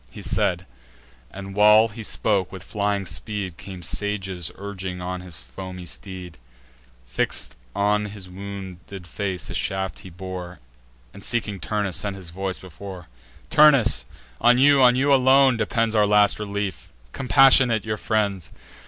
He said; and while he spoke, with flying speed Came Sages urging on his foamy steed: Fix'd on his wounded face a shaft he bore, And, seeking Turnus, sent his voice before: "Turnus, on you, on you alone, depends Our last relief: compassionate your friends!